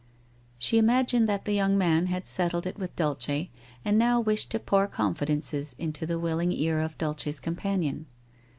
She imagined that the young man had settled it with Dulce, and now wished to pour confidences into the willing ear of Dulce's companion.